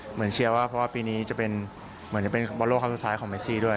เหมือนเชียวว่าเพราะว่าปีนี้จะเป็นบอตโลกครั้งสุดท้ายของเมซี่ด้วย